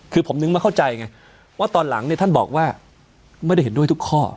คือผมนึกไม่เข้าใจไงว่าตอนหลังเนี่ยท่านบอกว่าไม่ได้เห็นด้วยทุกข้อ